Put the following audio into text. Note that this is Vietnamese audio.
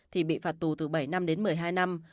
thì bị phạt tù từ bảy năm đến một mươi hai năm